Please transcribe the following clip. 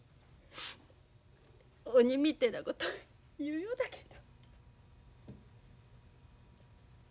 鬼みてえなこと言うようだけんど。